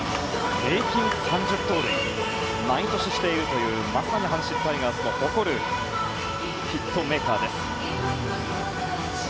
平均３０盗塁毎年しているというまさに阪神タイガースが誇るヒットメーカーです。